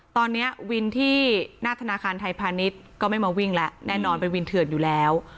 ตอนนี้วินที่หน้าธนาคารไทยพาณิชย์ก็ไม่มาวิ่งแล้วแน่นอนเป็นวินเถื่อนอยู่แล้ว